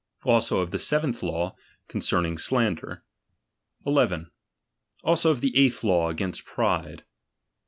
Also of the seventh law, concerning slander. 1 1. Also of the eighth law.against pride.